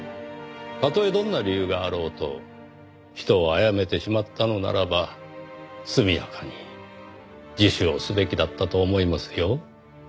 たとえどんな理由があろうと人をあやめてしまったのならば速やかに自首をすべきだったと思いますよ。